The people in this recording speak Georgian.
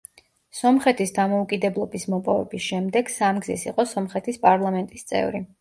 სომხეთის დამოუკიდებლობის მოპოვების შემდეგ სამგზის იყო სომხეთის პარლამენტის წევრი.